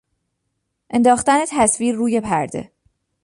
انداختن تصویر روی پرده